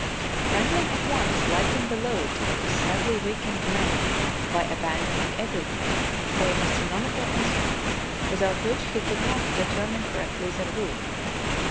Franklin at once lightened the loads of his sadly weakened men by abandoning everything save astro nomical instruments, without which he could not de termine correctly their route.